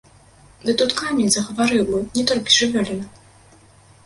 Ды тут камень загаварыў бы, не толькі жывёліна!